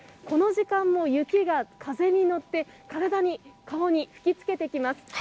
この時間も雪が風に乗って、顔に吹きつけてきます。